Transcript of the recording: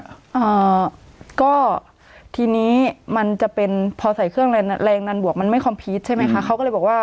อ่าก็ทีนี้พอใส่เครื่องแรงดันบวกมันไม่คอมพีชใช่ไหมคะ